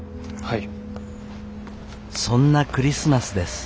そんなクリスマスです。